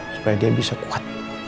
supaya dia bisa kuat